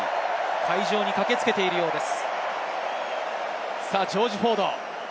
会場に駆けつけているようです。